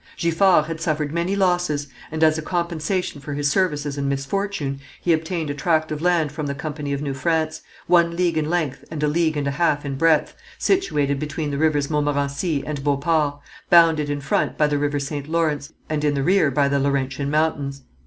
Giffard had suffered many losses, and as a compensation for his services and misfortune, he obtained a tract of land from the Company of New France, one league in length and a league and a half in breadth, situated between the rivers Montmorency and Beauport, bounded in front by the river St. Lawrence, and in the rear by the Laurentian Mountains.